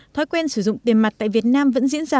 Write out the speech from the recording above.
thói quen sử dụng tiền mặt tại việt nam vẫn diễn ra